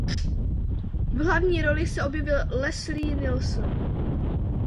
V hlavní roli se objevil Leslie Nielsen.